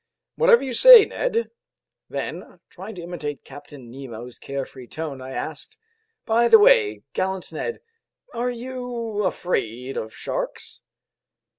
"Whatever you say, Ned." Then, trying to imitate Captain Nemo's carefree tone, I asked, "By the way, gallant Ned, are you afraid of sharks?"